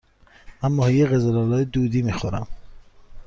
من ماهی قزل آلا دودی می خورم.